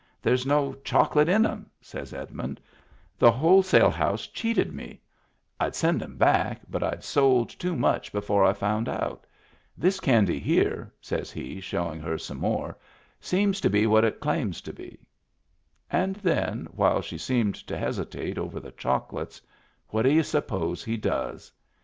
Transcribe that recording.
" There's no chocolate in 'em," says Edmund. "The wholesale house cheated me. I'd send Digitized by Google 246 MEMBERS OF THE FAMILY *em back, but I'd sold too much before I found out. This candy here," says he, showin' her some more, " seems to be what it claims to be." And then, while she seemed to hesitate over the chocolates, what do y'u suppose he does?